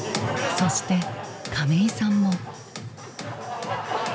そして亀井さんも。